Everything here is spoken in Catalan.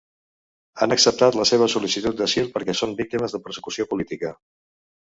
Han acceptat la seva sol·licitud d'asil, perquè són víctimes de persecució política.